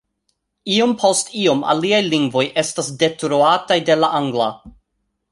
Iom post iom aliaj lingvoj estas detruataj de la angla.